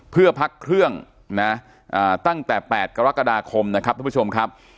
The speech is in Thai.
เพื่อพักเครื่องนะตั้งแต่๘กรกฎาคมนะครับทุกผู้ชมครับ